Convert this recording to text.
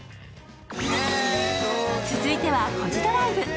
続いては「コジドライブ」。